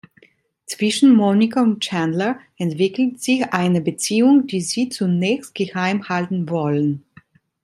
Zwischen Monica und Chandler entwickelt sich eine Beziehung, die sie zunächst geheim halten wollen.